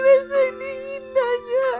gresek nih hitanya